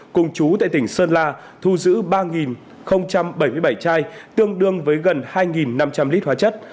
cùng chú tại tỉnh sơn la thu giữ ba bảy mươi bảy chai tương đương với gần hai năm trăm linh lít hóa chất